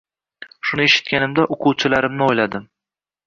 Shuni eshitganimda o‘quvchilarimni o‘yladim.